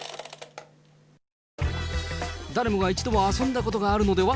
誰もが一度は遊んだことがあるのでは？